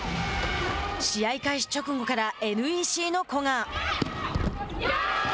試合開始直後からＮＥＣの古賀。